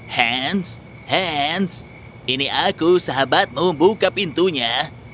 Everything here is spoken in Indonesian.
hans hans ini aku sahabatmu buka pintunya